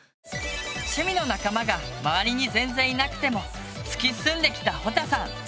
趣味の仲間が周りに全然いなくても突き進んできたほたさん。